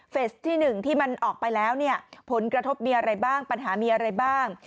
ที่๑ที่มันออกไปแล้วเนี่ยผลกระทบมีอะไรบ้างปัญหามีอะไรบ้าง